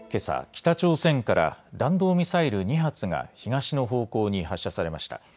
北朝鮮から弾道ミサイル２発が東の方向に発射されました。